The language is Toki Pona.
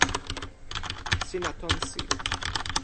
sina tonsi.